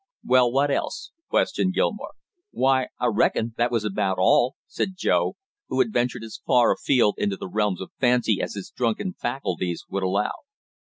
"Well, what else?" questioned Gilmore. "Why, I reckon that was about all!" said Joe, who had ventured as far afield into the realms of fancy as his drunken faculties would allow.